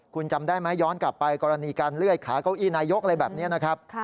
คุณจำได้ไหมย้อนกลับไปกรณีการเลื่อยขาเก้าอี้นายกอะไรแบบนี้นะครับ